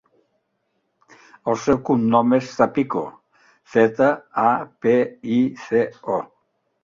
El seu cognom és Zapico: zeta, a, pe, i, ce, o.